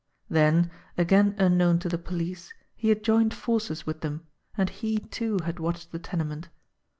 Then, again unknown to the police, he had joined forces with them, and he, too, had watched the tenement.